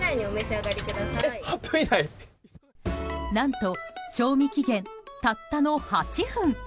何と、賞味期限たったの８分。